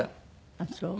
ああそう。